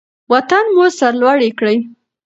وطن مو سرلوړی کړئ.